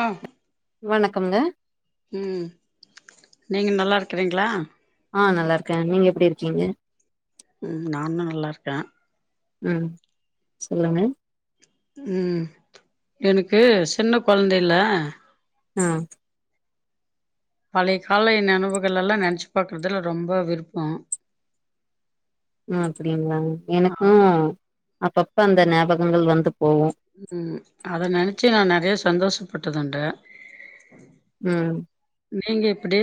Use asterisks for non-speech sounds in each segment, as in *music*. ஆ வணக்கம்ங்க ம் நீங்க நல்லா இருக்கிறீங்களா ஆ நல்லா இருக்கே நீங்க எப்டி இருக்கீங்க ம் நா இன்ன நல்லாயிருக்கே ம் சொல்லுங்க ம் எனக்கு சின்ன கொழந்தைல்ல ஆ பழைய கால நெனைவுகல்லா நெனச்சு பாக்குறதுல ரொம்ப விருப்போ ம் அப்டிங்களாங் ஆ எனக்கு அப்பப்ப அந்த ஞாபகங்கள் வந்து போவு ம் அத நெனைச்சு நா நெறைய சந்தோஷப்பட்டதுன்றே ம் நீங்க எப்டி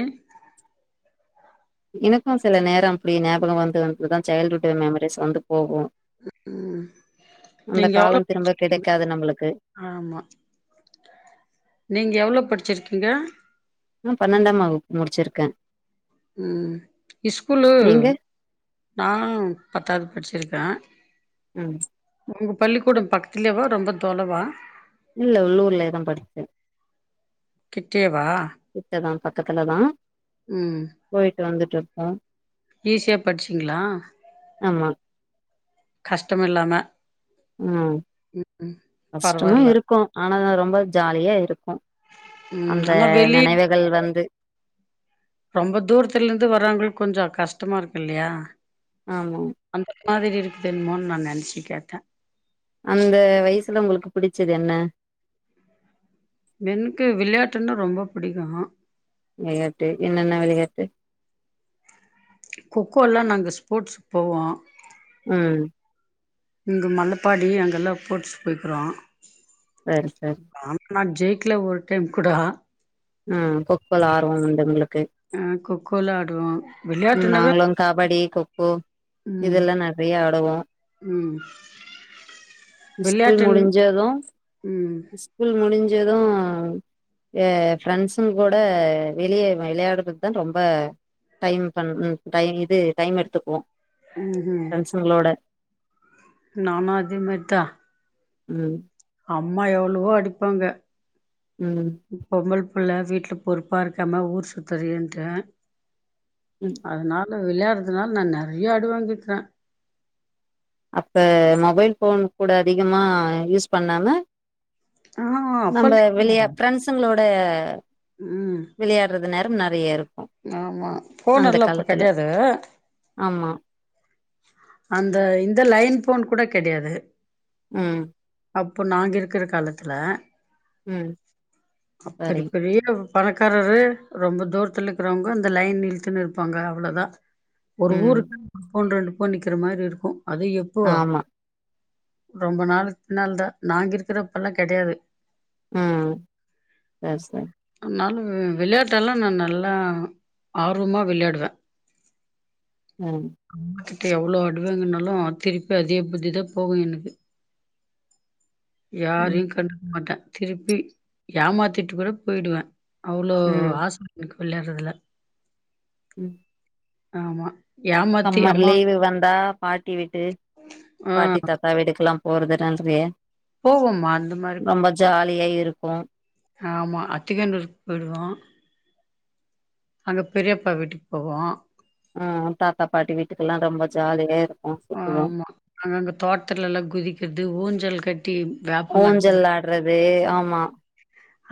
எனக்கு சில நேரோ அப்டி ஞாபகம் வந்து வந்துதா சைல்டுஹுட் மெமரிஸ் வந்து போகு ம் அந்த நீங்க எவ்ளோ காலம் திரும்ப கெடைக்காது நம்மளுக்கு ஆமா நீங்க எவ்ளோ படிச்சிருக்கீங்க ஆ பன்னெண்டாம் வகுப் முடிச்சிருக்கே ம் ஸ்கூலு நீங்க நானு பத்தாவது படிச்சிருக்கே ம் உங்க பள்ளிக்கூடோ பக்கத்துலேவா ரொம்ப தோலவா இல்ல உள்ளூர்லயே தா படிச்ச கிட்டேவா கிட்டதா பக்கத்துலதா ம் போயிட்டு வந்துட்டு இருப்போ ஈஸியா படிச்சிங்ளா ஆமா கஷ்டம் இல்லாம ம் ம் கஷ்டமு பரவால்ல இருக்கு ஆனா ரொம்ப ஜாலியா இருக்கு ம் அந்த ஆனா வெளிய நெனைவுகள் வந்து ரொம்ப தூரத்துல இருந்து வராவங்களுக்கு கொஞ்சோ கஷ்டமா இருக்கு இல்லையா ஆமாங்க அந்த மாதிரி இருக்குது எனமோன்னு நா நினைச்சு கேட்டே அந்த வயசுல உங்களுக்கு புடிச்சது என எனக்கு விளையாட்டுன்னா ரொம்ப பிடிக்கு மா விளையாட்டு என்னென்ன விளையாட்டு கொக்கோலா நாங்க ஸ்போர்ட்ஸுக்கு போவோ ம் இங்கே மலப்பாடி அங்கேல்லா போட்ஸ்சு போய்க்கிறோ சேரி சேரி ஆனா நா ஜெயிக்கல ஒரு டைம் கூட ஆ கொக்கோல ஆர்வோ உண்டு உங்களுக்கு ஆ கொக்கோல ஆடுவோ ம் விளையாட்டுனாவே நாங்களும் கபடி கொக்கோ ம் இதெல்லா நெறைய ஆடுவோ ம் ஸ்கூல் விளையாட்டுன் முடிஞ்சது ம் ஸ்கூல் முடிஞ்சது எ ஃப்ரெண்ட்ஸ்ங்க கூட வெளியே வெளையாட்றதுக்குதா ரொம்ப டைம் பண் ம் டைம் இது டைம் எடுத்துக்குவோ ம் ம் உங்களோட நானு அதே மாரிதா ம் அம்மா எவ்ளவோ அடிப்பாங்க ம் நீ பொம்பள புள்ள வீட்டுல பொறுப்பா இருக்காம ஊர் சுத்துரியேன்டு ம் அதனால விளையாடுறதுனால நா நெறைய அடி வாங்கிருக்கே அப்போ மொபைல் ஃபோன் கூட அதிகமாக யூஸ் பண்ணாம ஆ நம்ம வெளிய அப்பல்ல பிரரெண்ட்ஸுங்களோட ம் விளையாடுறது நேரம் நெறைய இருக்கு ஆமா ஃபோன் எல்லா அப்ப கிடையாது ஆமா அந்த இந்த லைன் ஃபோன்னு கூட கிடையாது ஆ அப்ப நாங்க இருக்கிற காலத்துல ம் அப்படி சரி பெரிய பணக்காரரு ரொம்ப தூரத்துல இருக்கிறவங்க அந்த லைன் இழுத்துன்னு இருப்பாங்க அவ்வளவுதா ஒரு ம் ஊருக்கு *unintelligible* போன் நிக்கிற மாரி இருக்கு அது எப்போ ஆமா ரொம்ப நாளுக்கு பின்னால தா நாங்க இருக்கிறப்பெல்லா கிடையாது ம் சேர சேரி அதனால விளையாட்டலா நா நல்லா ஆ ஆர்வமா விளையாடுவே ம் அவங்க கிட்ட எவ்வளவு அடுவாங்கன்னாலு திருப்பி அதே புத்திதா போகு எனக்கு ம் யாரையு கண்டுக்க மாட்டே திருப்பி ஏமாத்திட்டு கூட போயிடுவே அவ்ளோ ம் ஆச இருக்கு விளையாடுறதுல ம் ஆமா ஏமாத்தி சம்மர் அம்மா லீவு வந்தா பாட்டி வீட்டு ஆ பாட்டி தாத்தா வீட்டுக்கு எல்லா *unintelligible* போவமா அந்த மாரி கு ஜாலியா இருப்போ ஆமா அத்திக்கண்ணூருக்கு போயிடுவோ அங்க பெரியப்பா வீட்டுக்கு போவோ ஆஹம் தாத்தா பாட்டி வீட்டுக்கெல்லா ரொம்ப ஜாலியா இருக் ஆமா அங்க தோட்டத்ல எல்லா குதிக்கிறது ஊஞ்சல் கட்டி வி ஊஞ்சல் ஆடுறது ஆமா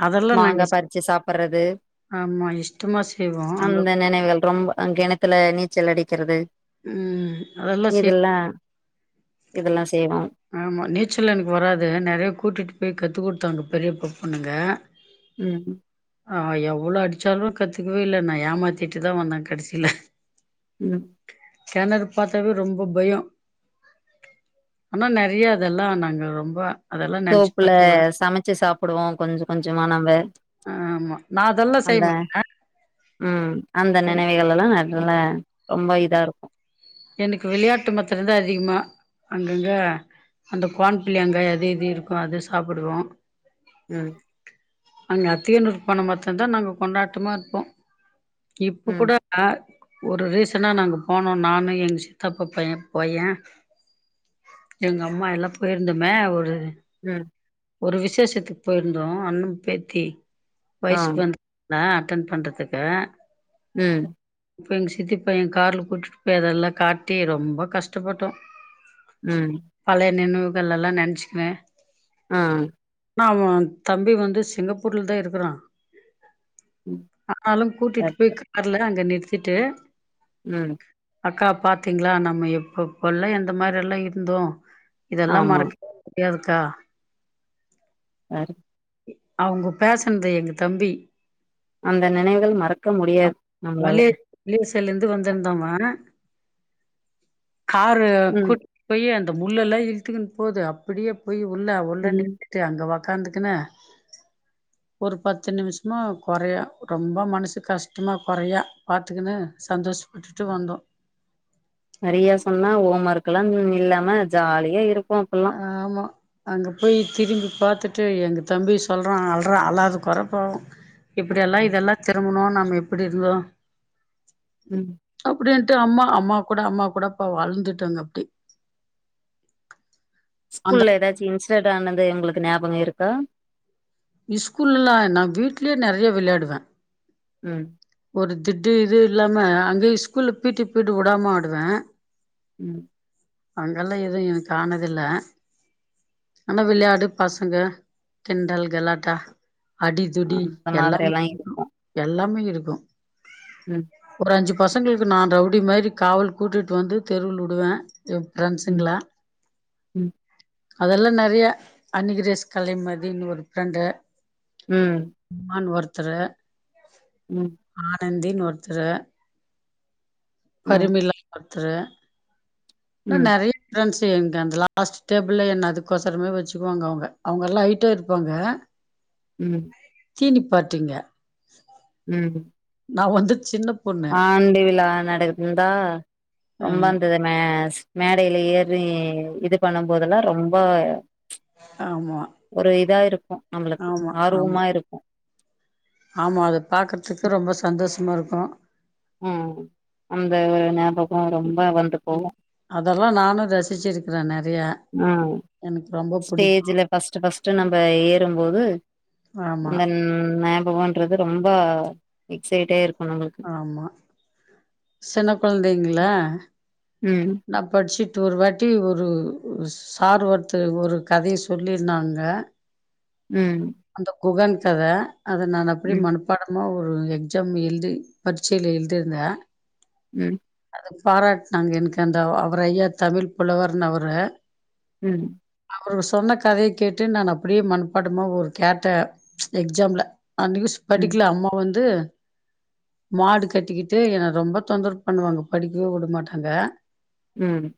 அதெல்லா நாங்க மாங்காய் இஷ் பறிச்சு சாப்பறது ஆமா இஷ்டமா செய்வோ அங்க அந்த நினைவுகள் ரொம்ப அ கிணத்துல நீச்சல் அடிக்கிறது ம் ரொம்ப இதெல்லா இதெல்லா செய்வோம் ஆமா நீச்சல் எனக்கு வராது நெறய கூட்டிட்டு போய் கற்றுக் கொடுத்தாங்க பெரிய ப பொண்ணுங்க ம் ஆ எவ்வளோ அடிச்சாலு கத்துக்கவே இல்ல நா ஏமாத்திட்டு தா வந்தே கடசில ம் கிணறு பாத்தாவே ரொம்ப பயம் ஆனா நிறைய அதெல்லா நாங்க ரொம்ப அதெல்லா நெனச்சு தோப்புல பாத்துக்குவே சமைச்சு சாப்பிடுவோ கொஞ்ச கொஞ்சமா நம்ம ஆ ஆமா நா அதெல்லா அந்த செய்வேன் ம் அந்த என் நினைவைகள் எல்லா நல ரொம்ப இதா இருக்கும் எனக்கு விளையாட்டு மாத்திரந்தாஅதிகமா அங்கங்க அந்த குவான் பிள்ளை அங்க அது இது இருக்கு அது சாப்பிடுவோ ம் அங்க அத்தியனூரு போன மட்டுதா நாங்க கொண்டாடமா இருப்போ இப்ப ம் கூடக ஒரு ரீசனா நாங்க போனோ நானு இப் எங்க சித்தப்ப பையா பையா எங்க அம்மா எல்லா போயிருந்தோமே ஒரு ம் ஒரு விசேஷத்துக்கு போயிருந்தோ அண்ண பேத்தி ஆ வயசுக்கு வந்த நா அட்டன் பண்றதுக்கு ம் அப்ப எங்க சித்திப்பைய கார்ல கூட்டிட்டு போய் அதெல்லா காட்டி ரொம்ப கஷ்டப்பட்டோ ம் பழைய நினைவுகள் எல்லா நினைச்சுக்குவே அ ஆமா தம்பி வந்து சிங்கப்பூர்ல தா இருக்றா ம் ஆனாலு கூட்டிட்டு சரி போய் சரி கார்ல அங்க நிறுத்திட்டு ம் அக்கா பாத்தீங்களா நம்ம எப்பப்பல்லா எந்த மாரி எல்லா இருந்தோ இதெல்லா ஆமா மறக் முடியாதுக்க ஆறு அவங்கோ பேசனது எங்க தம்பி அந்த நினைவுகள் மறக்க முடியாது நம்மளால யூ எஸ் லா இருந்து வந்திருந்தா அவ காரு ம் கூட்டிட்டு போய் அந்த முள்ள எல்லா இழுத்துக்குன்னு போது அப்டியே போய் உள்ள உள்ள ம் அங்க உக்காந்துக்குனு ஒரு பத்து நிமிஷமா கொறையா ரொம்ப மனசு கஷ்டமா கொறையா பாத்துக்குனு சந்தோஷ விட்டுட்டு வந்தோ நெறைய சொன்னா ஹோம் ஒர்க் கெல்லா இல்லாம ஜாலியா இருக்கூ ஆமா அங்க போய் திரும்பி பாத்துட்டு எங்க தம்பி சொல்றா அள்றா அலாது கொற பாவோ இப்டியெல்லா ம் இதெல்லா திரும்பணு நாம்ம எப்டி இருந்தோ ம் அப்டின்ட்டு அம்மா அம்மா கூட அம்மா கூட பாவோ அள்ந்துட்டாங்க அப்டி அந்த ஸ்கூல்ல எதாச்சு இன்ஸ்டென்ட் ஆனது உங்களுக்கு ஞாபக இருக்கா ஸ்கூல்லல்லா நா வீட்லே நெறைய விளையாடுவ ம் ஒரு திட்டு இது இல்லாம அங்கேயே ஸ்கூல்ல பீ டீ பிரியடு உடாம ஆடுவ ம் அங்கெல்லா எது எனக்கு ஆனது இல்ல ஆனா விளையாடு பசங்க கிண்டல் கலாட்டா அடி துடி அந்த மாதிரி எல்லாமே எல்லா இரு இருக்கு எல்லாமே இருக்கூ ம் ஒரு அஞ்சு பசங்களுக்கு நா ரவுடி மாரி காவல் கூட்டிட்டு வந்து தெருவுல உடுவ எ ம் ஃப்ரெண்ட்ஸ்ங்கள ம் அதெல்லா நெறையா அனிகிரேஸ் கலைமதின் ஒரு ஃப்ரெண்டு ம் மான் ஒருத்தரு ம் ஆனந்தின் ஒருத்தரு ம் பருமிலான்னு ஒருத்தரு இன்னு ம் நெறையா ஃப்ரெண்ட்ஸு எங்க அந்த லாஸ்ட் டேபிளில் என்ன அதுக்கோசரமே வச்சுக்குவாங்க அவுங்க அவுங்கல்லா ஐட்டா இருப்பாங்க ம் தீனி பார்த்தீங்க ம் நா வந்து சின்ன பொண்ணு ஆண்டுவிழா நடக்குது இந்தா அ ரொம்ப அந்த மே ஸ் மேடைல ஏறி இது பண்ணும்போதெல்லா ரொம்ப ஆமா ஒரு இதா இருக்கு நம்மளுக்கு ஆமா ஆமா ஆர்வமா இருக்கு ஆமா அது பாக்கறதுக்கு ரொம்ப சந்தோஷமா இருக்கு ம் அந்த ஒரு ஞாபக ரொம்ப வந்து போகு அதெல்லா நானு ரசிச்சிருக்குற நெறயா ம் ஸ்டேஜ்ல ஃபர்ஸ்ட் ஃபர்ஸ்ட் நம்ம ஏறு போது ஆமா அந்த ஞாபகன்றது ரொம்ப எக்சைட்டா இருக்கு நமக்கு ஆமா சின்ன கொழந்தைங்களா ம் நா படிச்சிட்டு ஒரு வாட்டி ஒருஸ் சார் ஒருத்தர் ஒரு கதய சொல்லிருந்தாங்க ம் அந்த குகன் கத அத நா அப்டியே ம் மனப் பாடமாக ஒரு எக்ஸாம் எழுதி பரீட்சைல எழுதிருந்த ம் அது பாராட்னாங்க எனக்கு அந்த அவர் ஐயா தமிழ் புலவர்ன்னு அவரு ம் அவரு சொன்ன கதய கேட்டு நா அப்டியே மனபாடமா ஒரு கேட்ட எக்ஸாம்ல அன் நியூஸ் ம் படிக்கல அம்மா வந்து மாடு கட்டிக்கிட்டு என ரொம்ப தொந்தரவு பண்ணுவாங்க படிக்கவே உட மாட்டாங்க ம்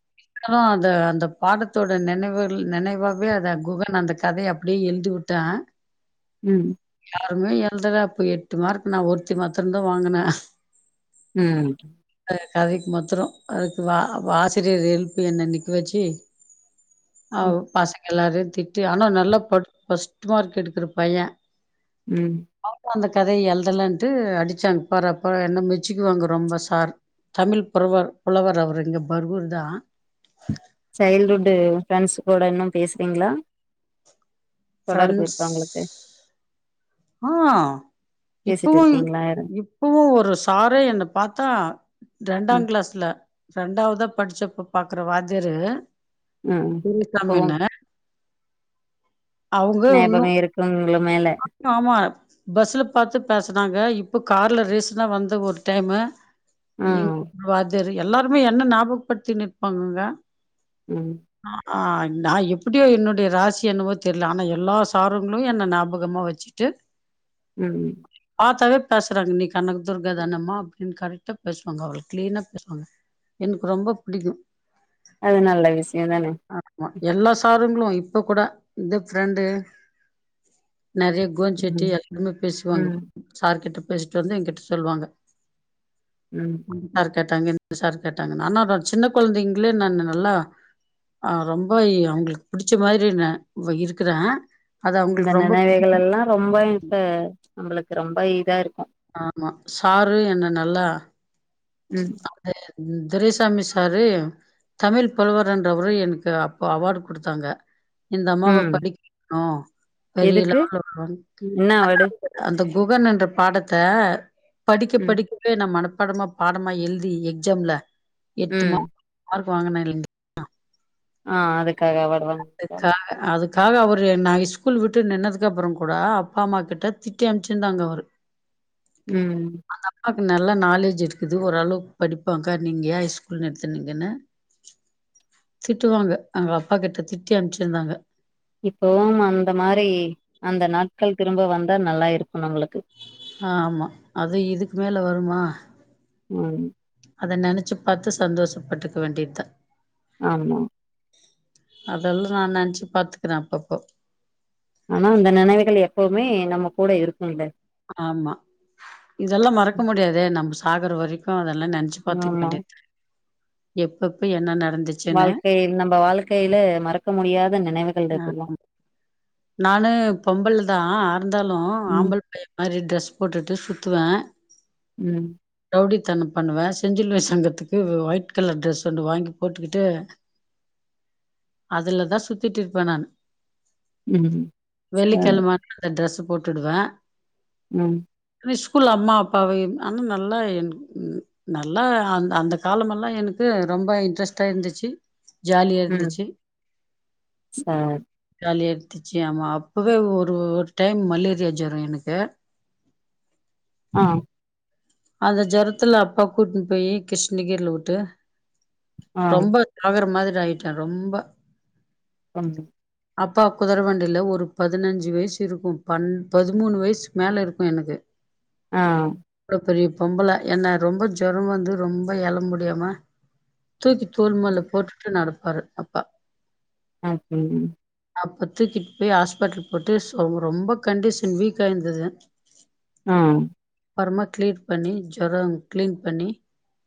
அது அந்த பாடத்தோட நினைவு நினைவாவே அ குகன் அந்த கதய அப்டியே எழுதிவுட்ட ம் யாருமே எழுதல அப்ப எட்டு மார்க்கு நா ஒருத்தி மாத்திர தா வாங்குன ம் அ கதைக்கு மத்திர அ வா வாசிரியர் எழுப்பி என்ன நிக்க வச்சு ம் அவ் பசங்க எல்லாரையு திட்டி ஆனா நல்லா படு ஃபர்ஸ்ட் மார்க் எடுக்குற பைய ம் அ அந்த கதைய எழுதலன்ட்டு அடிச்சாங்க பறப்பற என்ன மெச்சுக்குவாங்க ரொம்ப சாரு தமிழ் புறவர் புலவர் அவரு இங்க பர்வூர் தா சைல்டு்ஹுட் ஃப்ரெண்ட்ஸ் கூட இன்னு பேசுறீங்ளா தொடர்பு ஃப்ரெண்ட்ஸ் இருக்கா உங்களுக்கு ஆ பேசிட்டு இப்பவு இருக்கீங்களா யாரு இப்பவு ஒரு சாரே என்ன பாத்தா ரெண்டா ம் கிளாஸ்ல ரெண்டாவதா படிச்சப்ப பாக்குற வாத்தியாரு ம் பில் கம் இப்பவு என்ன அவங்க ஒன்னு ஞாபகோ இருக்கு உங்கள மேல ஆமா பஸ்ல பாத்து பேசுனாங்க இப்போ கார்ல ரீசண்டா வந்த ஒரு டைமு இங் ம் வத்தியாரு எல்லாருமே என்ன ஞாபகப்படுத்தின் இருபாங்கங்க ம் ஆ நா எப்படியோ என்னுடைய ராசி அனுபத்து தெரில ஆனா எல்லா சாறுங்களு என்ன ஞாபகமா வச்சுட்டு ம் பாத்தாவே பேசுறாங்க நீ கனக்கு துர்கா தானமா அப்டின்னு கரட்டா பேசுவாங்க அவளோ கிளீனா பேசுவாங்க எனக்கு ரொம்ப பிடிக்கு அது நல்ல விஷயோ தானே எல்லா சாருங்களு இப்ப கூட இந்த பிரெண்டு நெறைய *unintelligible* சட்டி ம் எல்லாருமே பேசுவாங்க ம் சார் கிட்ட பேசிட்டு வந்து எங்கிட்ட சொல்லுவாங்க ம் சார் கேட்டாங்க இந்த சார் கேட்டாங்கண்ணு ஆனா சின்ன கொழந்தைங்களே நானு நல்லா ஆ ரொம்ப அவங்களுக்கு இ புடிச்ச மாரி நா இருக்கற இந்த நெனைவைகள் எல்லா ரொம்ப இப்ப நம்மளுக்கு ரொம்ப இதா இருக்கு ஆமா சாரு என்ன நல்லா ம் பெரியசாமி சாரு தமிழ் புலவரன்றவரு எனக்கு அப்போ அவார்டு கொடுத்தாங்க இந்த அம்மாவ ம் படிக்க வைக்னு பெரிய எதுக்கு லெவல்ல வரு என்ன அவார்டு அந்த குகன்னுன்ற பாடத்த படிக்க ம் படிக்கவே நா மனப்பாடமா பாடமா எழுதி எக்ஸாம்ல எட்டு ம் மார்க மார்க் வாங்கின இல்லைங்களா ஆ அதுக்காக வருவாங் அதுக்காக அவரு நா ஷ்ஸ்கூல் விட்டு நின்னதுக்கு அப்புறோ கூட அப்பா அம்மா கிட்ட திட்டி அனுமிச்சுருந்தாங்க அவரு ம் அந்த அப்பாவுக்கு நல்லா நாலேஜ் இருக் இது ஓரளவு படிப்பாங்கா நீங்க ஏன் ஷ்ஸ்கூல் நிறுத்துனிங்கன்னு திட்டுவாங்க அங்க அப்பா கிட்ட திட்டி அனுப்பச்சுறுந்தாங்க இப்பவும் அந்த மாரி அந்த நாட்கள் திரும்ப வந்தா நல்லா இருக்கும் நம்மளுக்கு ஆமா அது இதுக்கு மேல வருமா ம் அத நெனைச்சு பாத்து சந்தோஷப்பட்டுக்க வேண்டியதா ஆமா அதெல்லா நா நெனச்சி பாத்துக்குறே அப்பப்போ ஆனா அந்த நெனைவுகள் எப்பவுமே நம்ம கூட இருக்கும்ல ஆமா இதெல்லா மறக்க முடியாதே நம்ம சாகற வரைக்கு அதெல்லா நெனச்சு பாத்துக்க ஆமா வேண்டியது எப்பப்ப என்னன்ன நடந்துச்சு வாழ்க்கை நம்ம வாழ்க்கையில மறக்க முடியாத நெனைவுகள் இதுல்லா ஆமா நானு பொம்பல்ல தா ஆ இருந்தாலு ம் ஆம்பல் பைய மாரி ட்ரெஸ் போட்டுட்டு சுத்துவே ம் ரவுடித்தன்னோ பண்ணுவே செஞ்சிலுவை சங்கத்துக்கு ஒயிட் கலர் ட்ரெஸ் ஒன்று வாங்கி போட்டுக்கிட்டு அதுல தா சுத்திட்டு இருப்பே நானு ம் சரி வெள்ளிக்கிழம ஆனா அந்த ட்ரெஸ்சு போட்டுவே ம் ஸ்கூல்ல அம்மா அப்பாவயும் ஆனா நல்லா என் நல்லா அந்த அந்த காலமெல்லா எனக்கு ரொம்ப இன்ட்ரெஸ்டா இருந்துச்சு ஜாலியா ம் இருந்துச்சு சரி ஜாலியா துச்சு ஆமா அப்போவே ஒரு டைம் மலேரியா ஜொரோம் எனக்கு அ அந்த ஜொரத்தில அப்பா கூட்டினுட்டு போய் கிருஷ்ணகிரியில விட்டு ஆ ரொம்ப *unintelligible* மாதிரி ஆயிட்டா ரொம்ப *unintelligible* அப்பா குதிரவண்டியில ஒரு பதினஞ்சு வயசு இருக்கும் பன் பதிமூணு வயசுக்கு மேல இருக்கும் எனக்கு அ இவ்ளோ பெரிய பொம்பள ஏன்னா ரொம்ப ஜொரம் வந்து ரொம்ப எழ முடியாம தூக்கி தோள் மேல போட்டுட்டு நடப்பாரு அப் அ செரி அப்ப தூக்கிட்டு போய் ஹாஸ்பிட்டல போட்டுசோ ரொம்ப கண்டிஷன் வீக் ஆயிருந்தது ம் அப்பறமா கிளீர் பண்ணி ஜொரம் கிளீன் பண்ணி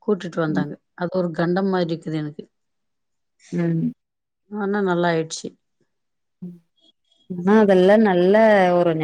கூட்டிட்டு ம் வந்தாங்க அது ஒரு கண்டம் மாதிரி இருக்குது எனக்கு ம் ஆனா நல்லா ஆயிடுச்சு ன்னா அதெல்லா நல்ல ஊருன்னா